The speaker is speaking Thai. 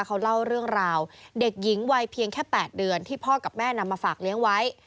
เขาเล่าเรื่องราวเด็กหญิงวัยเพียงแค่๘เดือนที่พ่อกับแม่นำมาฝากเลี้ยงไว้